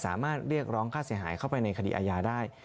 สามารถเรียกร้องค่าเสียหายเข้าไปในคดีอาญาได้